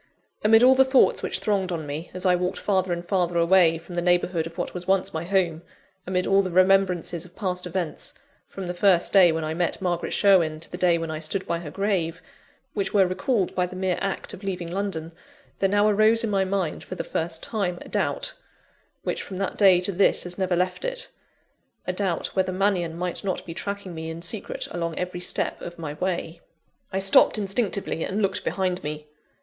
Amid all the thoughts which thronged on me, as I walked farther and farther away from the neighbourhood of what was once my home; amid all the remembrances of past events from the first day when I met Margaret Sherwin to the day when I stood by her grave which were recalled by the mere act of leaving London, there now arose in my mind, for the first time, a doubt, which from that day to this has never left it; a doubt whether Mannion might not be tracking me in secret along every step of my way. I stopped instinctively, and looked behind me.